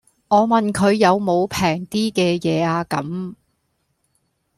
我問佢有無平啲既野呀咁